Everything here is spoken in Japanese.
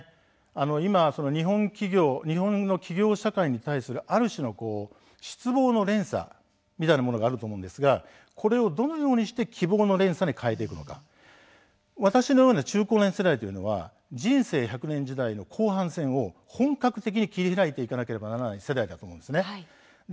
今、日本の企業社会に対するある種の失望の連鎖みたいなものがあると思うんですがこれをどのようにして希望の連鎖に変えていけるのか私のような中高年世代というのは人生１００年時代の後半戦を本格的に切り開いていかなければいけない世代だと思うんです。